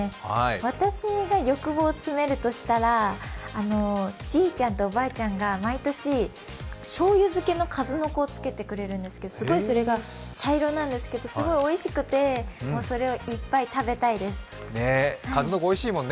私が欲望を詰めるとしたらじいちゃんとばあちゃんが毎年、しょうゆ漬けの数の子を漬けてくれるんですけどすごい、それが茶色なんですけど、それがおいしくてかずのこ、おいしいもんね。